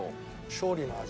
勝利の味。